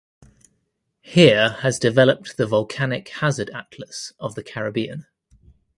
Here has developed the volcanic hazard atlas of the Caribbean.